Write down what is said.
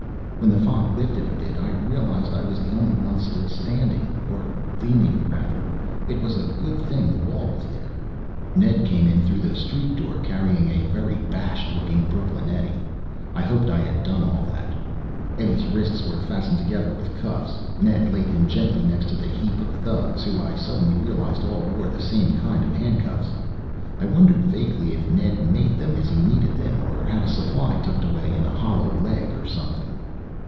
When the fog lifted a bit I realized I was the only one still standing. Or leaning rather. It was a good thing the wall was there. Ned came in through the street door carrying a very bashed looking Brooklyn Eddie. I hoped I had done all that. Eddie's wrists were fastened together with cuffs. Ned laid him gently next to the heap of thugs who I suddenly realized all wore the same kind of handcuffs. I wondered vaguely if Ned made them as he needed them or had a supply tucked away in a hollow leg or something.